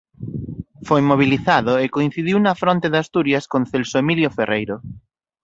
Foi mobilizado e coincidiu na fronte de Asturias con Celso Emilio Ferreiro.